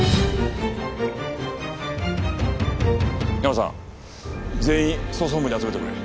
ヤマさん全員捜査本部に集めてくれ。